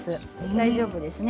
大丈夫ですね。